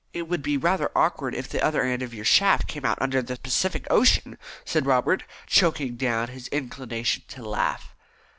"It would be rather awkward if the other end of your shaft came out under the Pacific Ocean," said Robert, choking down his inclination to laugh.